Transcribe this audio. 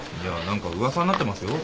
何か噂になってますよ。